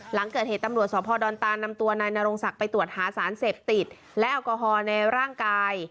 หลังเกิดเหตุตำรวจสพดอนตานนำตัวนายนรงศักดิ์ไปตรวจหาสารเสพติดและแอลกอฮอล์ในร่างกาย